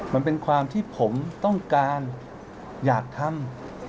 มันเป็นความที่ผมต้องการอยากทำ